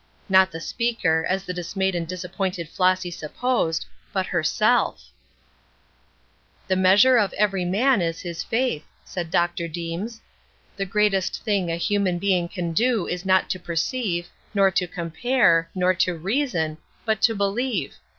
Not the speaker, as the dismayed and disappointed Flossy supposed, but herself. "The measure of every man is his faith," said Dr. Deems. "The greatest thing a human being can do is not to perceive, nor to compare, not to reason, but to believe."